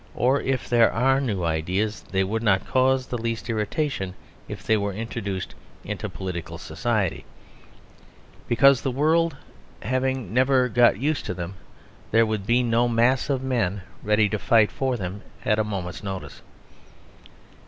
Or if there are new ideas, they would not cause the least irritation if they were introduced into political society; because the world having never got used to them there would be no mass of men ready to fight for them at a moment's notice.